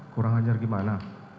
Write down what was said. kurang ajar gimana